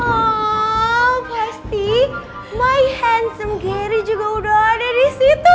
oh pasti my hansum gary juga udah ada di situ